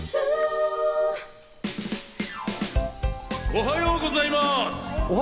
おはようございます。